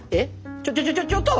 ちょちょちょちょちょっと！